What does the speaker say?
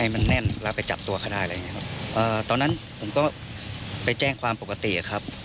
มันแน่นแล้วไปจับตัวเขาได้อะไรอย่างเงี้ครับเอ่อตอนนั้นผมก็ไปแจ้งความปกติครับ